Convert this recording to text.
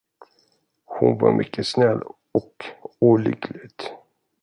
Hon var mycket snäll och olycklig.